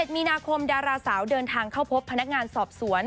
มีนาคมดาราสาวเดินทางเข้าพบพนักงานสอบสวน